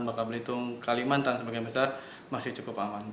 makabalitung kalimantan sebagainya besar masih cukup aman